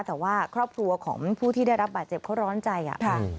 แต่ว่าครอบครัวของผู้ที่ได้รับบาดเจ็บเขาร้อนใจอะค่ะ